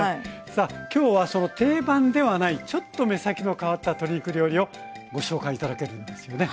さあ今日はその定番ではないちょっと目先の変わった鶏肉料理をご紹介頂けるんですよね。